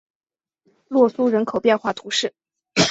洛苏人口变化图示